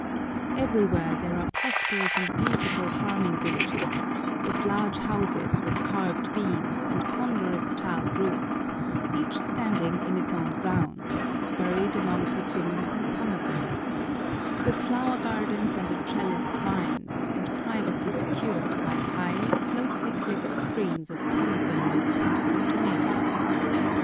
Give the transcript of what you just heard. Everywhere there are prosperous and beautiful farming villages, with large houses with carved beams and ponderous tiled roofs, each standing in its own grounds, buried among persimmons and pomegranates, with flower gardens under trellised vines, and privacy secured by high, closely clipped screens of pomegranate and cryptomeria.